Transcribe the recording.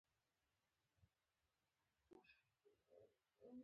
که څوک بې احترامي وکړي ټولنه یې ورټي.